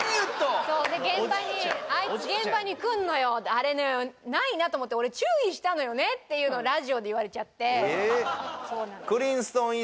「あれね無いなと思って俺注意したのよね」っていうのをラジオで言われちゃってえっ